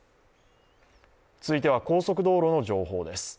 続いては高速道路の情報です。